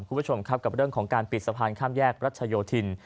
คุณผู้ชมครับกับเรื่องของการปิดสะพานข้ามแยกรัชโยธิน